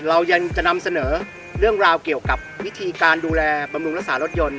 เรายังจะนำเสนอเรื่องราวเกี่ยวกับวิธีการดูแลบำรุงรักษารถยนต์